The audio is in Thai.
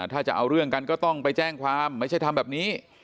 ถ้าจะเอาเรื่องกันก็ต้องไปแจ้งความไม่ใช่ทำแบบนี้